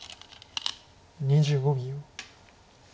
２５秒。